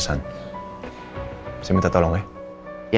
saya harus mencari tahu alamat rumahnya